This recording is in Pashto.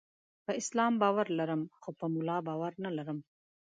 په اسلام باور لرم، خو په مولا باور نلرم.